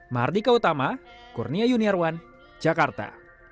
mardika utama kurnia yuniarwan jakarta